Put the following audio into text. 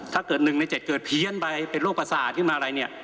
ถ้าเกิด๑ใน๗เกิดเพี้ยนไปเป็นโรคประสาทขึ้นมาอะไรเนี่ย